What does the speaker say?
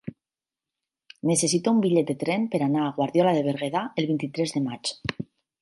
Necessito un bitllet de tren per anar a Guardiola de Berguedà el vint-i-tres de maig.